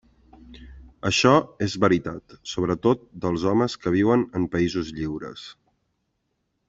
Això és veritat sobretot dels homes que viuen en països lliures.